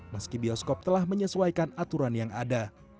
meski bioskop telah menyesuaikan aturan yang ada